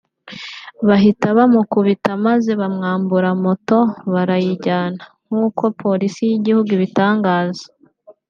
bahita bamukubita maze bamwambura moto barayijyana; nk’uko polisi y’igihugu ibitangaza